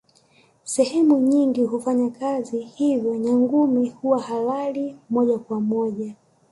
Sehemu nyingine hufanya kazi hivyo Nyangumi huwa halali moja kwa moja